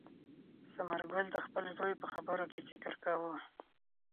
ثمر ګل د خپل زوی په خبرو کې فکر کاوه.